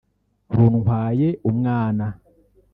runtwaye umwana